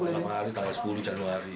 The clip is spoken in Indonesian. malam hari tanggal sepuluh januari